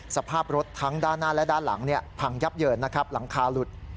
สภาพรถทั้งด้านหน้าและด้านหลังพังยับเยินนะครับหลังคาหลุด